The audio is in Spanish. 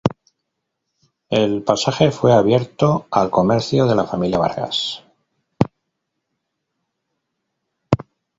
El pasaje fue abierto al comercio de la familia Vargas.